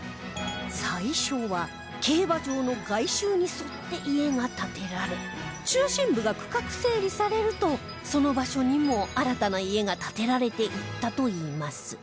最初は競馬場の外周に沿って家が建てられ中心部が区画整理されるとその場所にも新たな家が建てられていったといいます